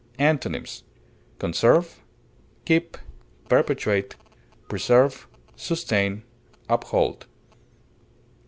Antonyms: conserve, keep, perpetuate, preserve, sustain, uphold.